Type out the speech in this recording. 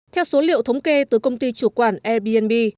theo số liệu thống kê từ công ty chủ quản airbnb